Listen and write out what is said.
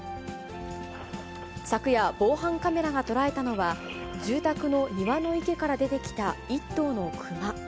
昨夜、防犯カメラが捉えたのは、住宅の庭の池から出てきた１頭のクマ。